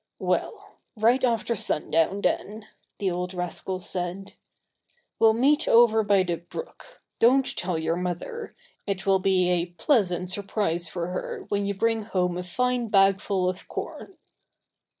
"Well right after sundown, then," the old rascal said. "We'll meet over by the brook. Don't tell your mother. It will be a pleasant surprise for her, when you bring home a fine bagful of corn."